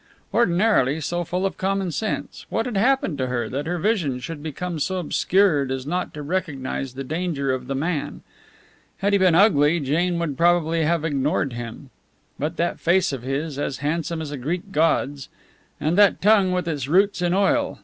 Ordinarily so full of common sense, what had happened to her that her vision should become so obscured as not to recognize the danger of the man? Had he been ugly, Jane would probably have ignored him. But that face of his, as handsome as a Greek god's, and that tongue with its roots in oil!